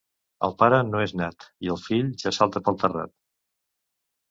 El pare no és nat i el fill ja salta pel terrat.